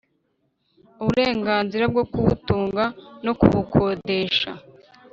Uburenganzira bwo kubutunga no kubukodesha.